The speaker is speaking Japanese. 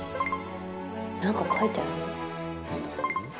何か書いてある？